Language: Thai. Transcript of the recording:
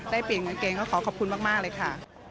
เปลี่ยนกางเกงเขาขอขอบคุณมากเลยค่ะ